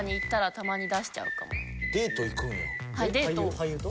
俳優と。